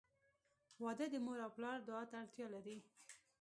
• واده د مور او پلار دعا ته اړتیا لري.